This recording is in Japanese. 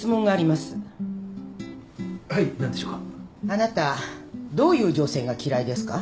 あなたどういう女性が嫌いですか？